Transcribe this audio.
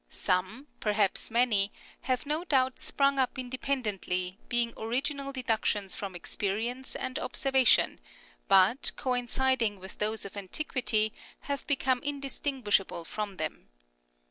Some, perhaps many, have no doubt sprung up indepen dently, being original deductions from experience and observation, but, coinciding with those of antiquity, have become indistinguishable from them.